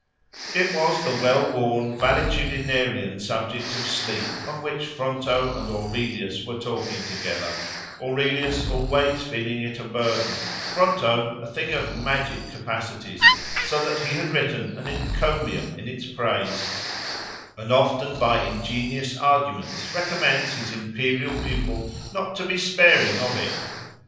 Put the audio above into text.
It was the well worn, valetudinarian subject of sleep, on which Fronto and Aurelius were talking together; Aurelius always feeling it a burden, Fronto a thing of magic capacities, so that he had written an encomium in its praise, and often by ingenious arguments recommends his imperial pupil not to be sparing of it.